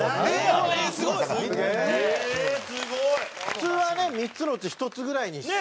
普通はね３つのうち１つぐらいに。